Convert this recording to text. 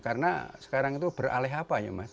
karena sekarang itu beralih apa ya mas